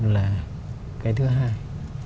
là cái thứ hai